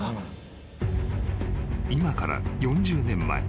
［今から４０年前。